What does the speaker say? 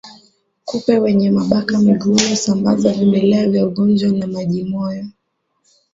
Kupe wenye mabaka miguuni husambaza vimelea vya ugonjwa wa majimoyo